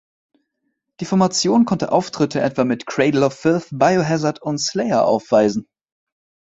Die Formation konnte Auftritte etwa mit Cradle of Filth, Biohazard und Slayer aufweisen.